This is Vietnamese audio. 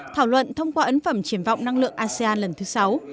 thảo luận thông qua ấn phẩm triển vọng năng lượng asean lần thứ sáu